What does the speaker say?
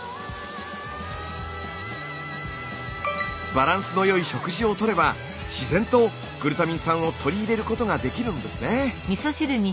バランスの良い食事をとれば自然とグルタミン酸を取り入れることができるんですね。